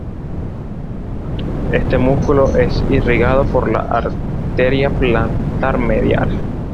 Este músculo es irrigado por la arteria plantar medial.